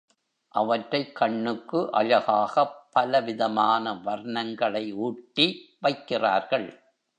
அவற்றைக் கண்ணுக்கு அழகாகப் பலவிதமான வர்ணங்களை ஊட்டி வைக்கிறார்கள்.